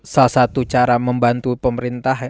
salah satu cara membantu pemerintah